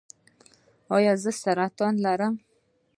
ایا زه سرطان لرم؟